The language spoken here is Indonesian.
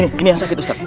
ini ini yang sakit ustadz